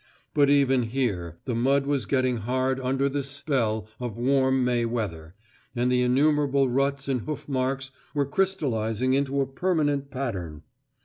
But even here the mud was getting hard under this spell of warm May weather, and the innumerable ruts and hoof marks were crystallising into a permanent pattern.